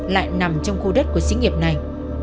lại nằm trong khu đất của sinh nghiệp này